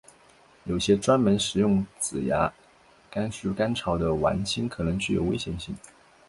有些专门食用紫芽苜蓿干草的莞菁可能具有危险性。